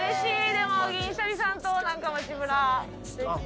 でも銀シャリさんとなんか街ブラできて。